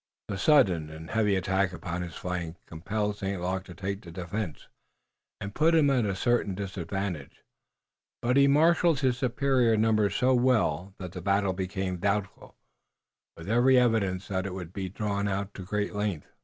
The sudden and heavy attack upon his flank compelled St. Luc to take the defensive, and put him at a certain disadvantage, but he marshaled his superior numbers so well that the battle became doubtful, with every evidence that it would be drawn out to great length.